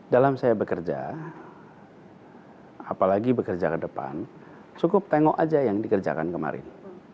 dalam saya bekerja apalagi bekerja ke depan cukup tengok aja yang dikerjakan kemarin